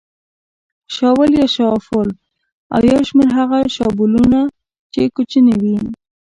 شاول یا شافول او یو شمېر هغه شابلونونه چې کوچني وي.